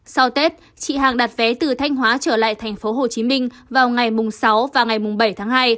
sau tết chị hàng đặt vé từ thanh hóa trở lại tp hcm vào ngày sáu và ngày bảy tháng hai